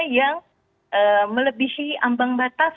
yang melebihi ambang batas